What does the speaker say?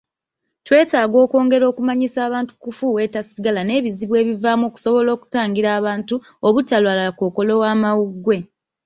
twetaaga okwongera okumanyisa abantu ku kufuweeta sigala n'ebizibu ebivaamu okusobola okutangira abantu obutalwala kkookolo w'amawugwe.